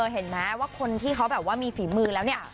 เห็นไหมว่าคนที่มีฝีมือแล้วเนี่ย